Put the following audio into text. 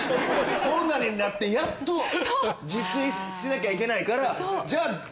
コロナになってやっと自炊しなきゃいけないから。